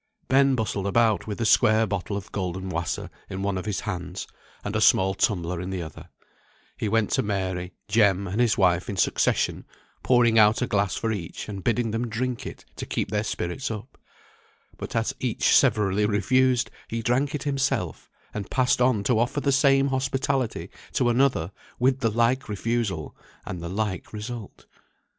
Ben bustled about with the square bottle of Goldenwasser in one of his hands, and a small tumbler in the other; he went to Mary, Jem, and his wife in succession, pouring out a glass for each and bidding them drink it to keep their spirits up: but as each severally refused, he drank it himself; and passed on to offer the same hospitality to another with the like refusal, and the like result.